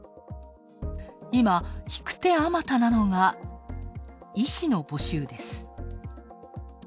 今、引く手あまたなのが医師の募集です。